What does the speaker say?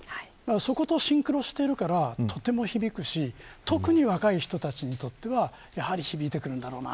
そことシンクロしているからとても響くし特に若い人たちにとってはやはり響いてくるんだろうな。